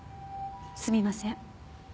すみません。